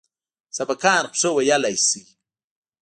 سبقان خو ښه ويلى سئ.